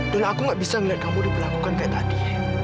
dan aku gak bisa ngeliat kamu diperlakukan kayak tadi